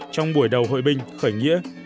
trong buổi đầu hội binh khởi nghĩa